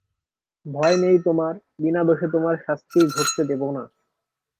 ভয় নেই তোমার, বিনা দোষে তোমার শাস্তি ঘটতে দেব না।